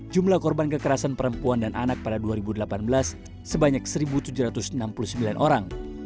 jumlah korban kekerasan perempuan dan anak pada dua ribu delapan belas sebanyak satu tujuh ratus enam puluh sembilan orang